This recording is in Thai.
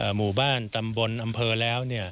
หมู่บ้านตำบลอำเภอแล้ว